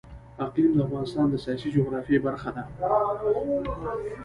اقلیم د افغانستان د سیاسي جغرافیه برخه ده.